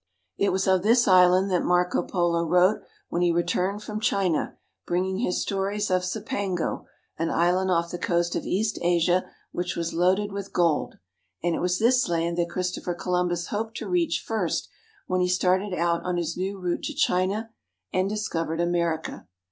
It was of this island that Marco Polo wrote when he returned from China bringing his stories of Cipango, an island off the coast of East Asia which was loaded with gold, and it was this land that Christopher Columbus hoped to reach first when he started out on his new route to China and discovered America.